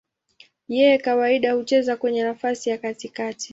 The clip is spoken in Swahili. Yeye kawaida hucheza kwenye nafasi ya katikati.